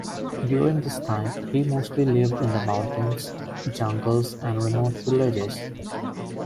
During this time, he mostly lived in the mountains, jungles and remote villages.